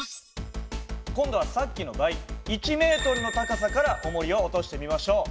今度はさっきの倍１ｍの高さからおもりを落としてみましょう。